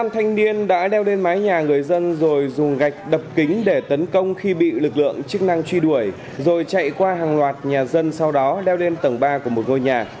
năm thanh niên đã leo lên mái nhà người dân rồi dùng gạch đập kính để tấn công khi bị lực lượng chức năng truy đuổi rồi chạy qua hàng loạt nhà dân sau đó leo lên tầng ba của một ngôi nhà